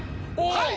はい！